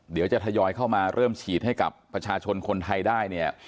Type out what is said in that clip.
เดี๋ยวจะทยอยเข้ามาเริ่มฉีดให้กับประชาชนคนไทยได้เนี่ย